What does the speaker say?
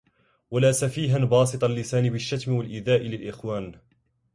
ولا سفيها باسط اللسان بالشتم والإيذاء للإخوان